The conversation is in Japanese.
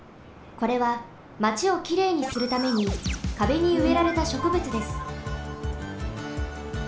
これはマチをきれいにするためにかべにうえられたしょくぶつです。